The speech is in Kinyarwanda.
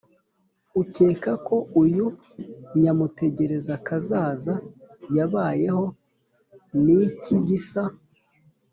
Ukeka ko uyu nyamutegerakazaza yabayeho ni iki gisa